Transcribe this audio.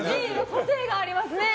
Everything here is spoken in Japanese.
個性がありますね。